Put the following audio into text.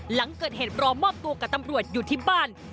หลังเกิดเหตุรอมอบตัวกับตำรวจอยู่ที่บ้าน